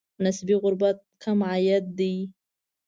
نسبي غربت کم عاید دی.